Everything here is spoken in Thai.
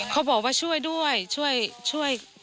เขาบอกว่าช่วยด้วยช่วย